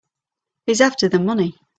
He's after the money.